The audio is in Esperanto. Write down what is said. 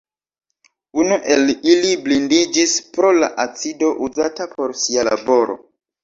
Unu el ili blindiĝis pro la acido uzata por sia laboro.